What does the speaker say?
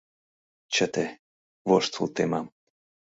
Чыте, воштыл темам...